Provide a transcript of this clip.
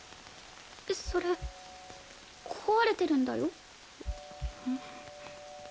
それ壊れてるんだよ。